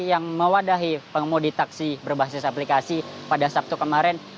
yang mewadahi pengemudi taksi berbasis aplikasi pada sabtu kemarin